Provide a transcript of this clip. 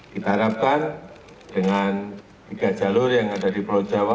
kita harapkan dengan tiga jalur yang ada di pulau jawa